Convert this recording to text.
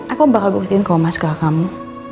aku bakal buktiin kau mas ke akamu